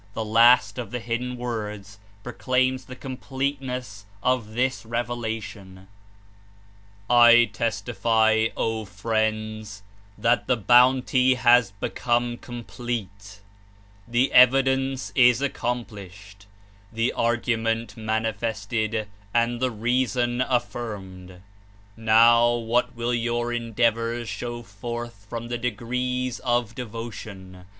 The last of the "Hidden Words" proclaims the completeness of this Revelation: ^7 testify, O Friends, that the Bounty has become complete, the Evidence is accomplished, the Argument manifested, and the reason affirmed. Now, what will your endeavors show forth from the degrees of de votion?